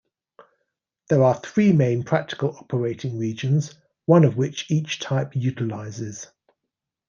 There are three main practical operating regions, one of which each type utilises.